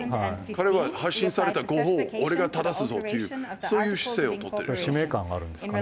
彼は発信された誤報を俺が正すぞっていう、そういう姿勢を取ってるんでしょう。